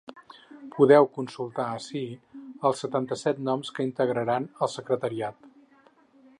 Podeu consultar ací els setanta-set noms que integraran el secretariat.